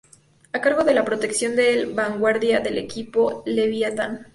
A cargo de la protección de vanguardia del "equipo Leviatán".